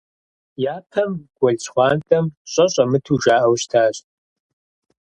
Япэм гуэл Щхъуантӏэм щӏэ щӏэмыту жаӏэу щытащ.